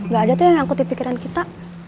gak ada tuh yang ngangkuti pikiran kita